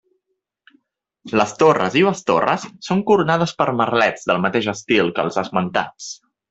Les torres i bestorres són coronades per merlets del mateix estil que els esmentats.